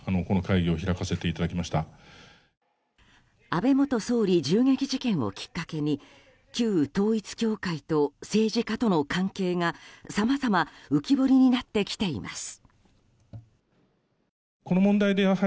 安倍元総理銃撃事件をきっかけに旧統一教会と政治家との関係がさまざま浮き彫りになってきています。